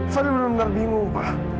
saya benar benar bingung pak